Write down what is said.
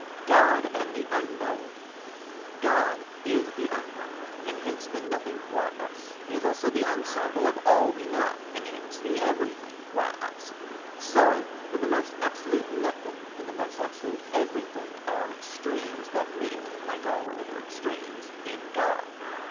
God and the Unknown God is the unknown, and hence the nothing qua us. He is also the ensemble of all we know, and hence the everything qua us. So that the most absolute nothing and the most absolute everything are extremes that meet (like all other extremes) in God.